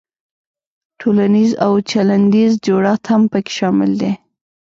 تولنیز او چلندیز جوړښت هم پکې شامل دی.